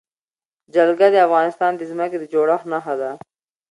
جلګه د افغانستان د ځمکې د جوړښت نښه ده.